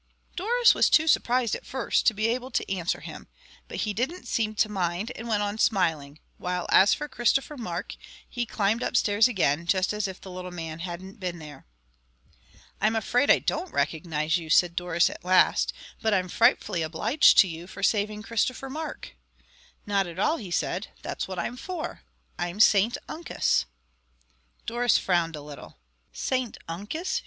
Doris was too surprised at first to be able to answer him. But he didn't seem to mind, and went on smiling; while as for Christopher Mark, he climbed upstairs again, just as if the little man hadn't been there. "I'm afraid I don't recognize you," said Doris at last; "but I'm frightfully obliged to you for saving Christopher Mark." "Not at all," he said. "That's what I'm for. I'm St Uncus." Doris frowned a little. "St Uncus?"